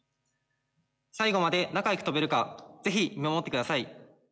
最後まで仲良く跳べるか是非見守ってください。